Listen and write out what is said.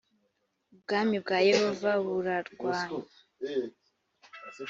ubwami bwa yehova burarwanywa